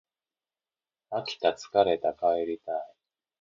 飽きた疲れた帰りたい